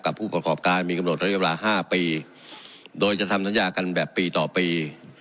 ผู้ประกอบการมีกำหนดระยะเวลา๕ปีโดยจะทำสัญญากันแบบปีต่อปี